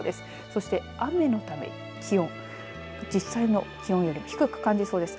そして、雨のため気温実際の気温よりも低く感じそうです。